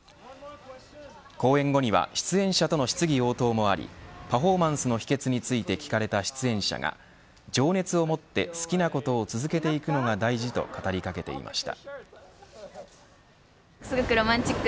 公演後には出演者との質疑応答もありパフォーマンスの秘訣について聞かれた出演者が情熱を持って好きなことを続けていくのが大事と語りかけていました。